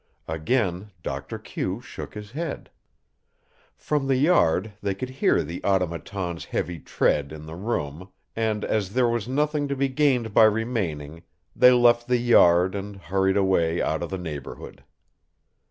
Again Doctor Q shook his head. From the yard they could hear the Automaton's heavy tread in the room and, as there was nothing to be gained by remaining, they left the yard and hurried away out of the neighborhood.